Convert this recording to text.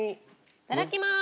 いただきまーす！